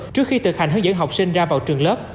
trước khi thực hành hướng dẫn học sinh ra vào trường lớp